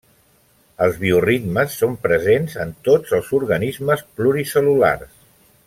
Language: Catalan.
Els bioritmes són presents en tots els organismes pluricel·lulars.